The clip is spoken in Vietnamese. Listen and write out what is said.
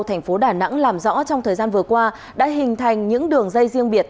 thành phố đà nẵng làm rõ trong thời gian vừa qua đã hình thành những đường dây riêng biệt